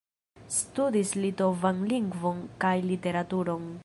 Studis litovan lingvon kaj literaturon.